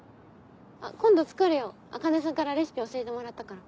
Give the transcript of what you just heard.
今度作るよ茜さんからレシピ教えてもらったから。